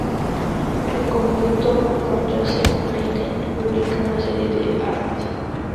En conjunto con Joseph Maiden publica una serie de arts.